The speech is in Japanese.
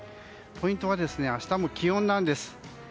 ポイントが明日も気温なんです。